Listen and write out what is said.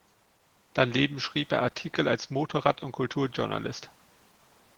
Daneben schrieb er Artikel als Motorrad- und Kulturjournalist.